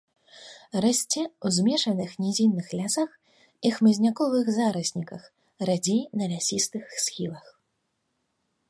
Расце ў змешаных нізінных лясах і хмызняковых зарасніках, радзей на лясістых схілах.